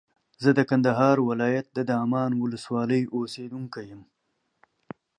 زه د کندهار ولایت د دامان ولسوالۍ اوسېدونکی یم.